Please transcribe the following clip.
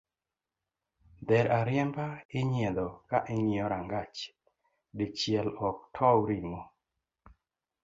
Dher ariemba inyiedho ka ingiyo rangach dichiel ok tow ringo